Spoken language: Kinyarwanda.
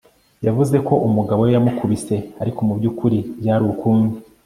yavuze ko umugabo we yamukubise, ariko mubyukuri byari ukundi